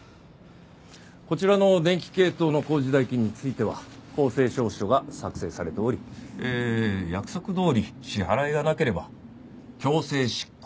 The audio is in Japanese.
こちらの電気系統の工事代金については公正証書が作成されておりえー約束どおり支払いがなければ強制執行ができるんです。